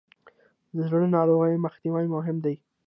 د زړه ناروغیو مخنیوی مهم دی.